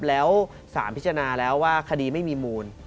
แล้วสารพิจารณาแล้วว่าคดีไม่มีมูล